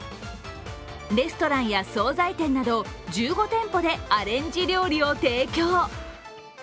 レストランや総菜店など１５店舗でアレンジ料理を提供。